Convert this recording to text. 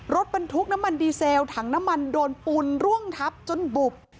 รถบรรทุกน้ำมันดีเซลถังน้ำมันโดนปูนร่วงทับจนบุบ